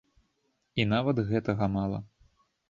І нават гэтага мала.